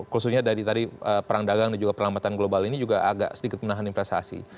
khususnya dari tadi perang dagang dan juga perlambatan global ini juga agak sedikit menahan investasi